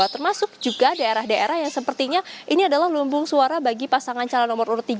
termasuk juga daerah daerah yang sepertinya ini adalah lumbung suara bagi pasangan calon nomor urut tiga